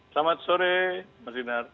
selamat sore mas inar